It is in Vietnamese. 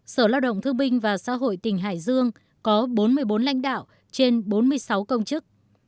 sở lao động thương binh và xã hội tỉnh hải dương có bốn mươi bốn lãnh đạo trên bốn mươi sáu công chức